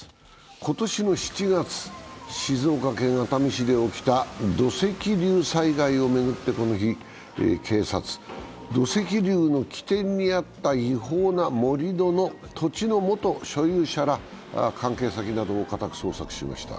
今年の７月、静岡県熱海市で起きた土石流災害を巡ってこの日、警察は土石流の起点にあった違法な盛り土の土地の元所有者ら関係先などを家宅捜索しました。